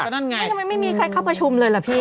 มั้ยไม่มีใครใครเข้าประชุมเลยหรอพี่